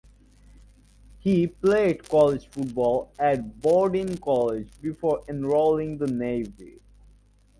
He played college football at Bowdoin College before enrolling the Navy.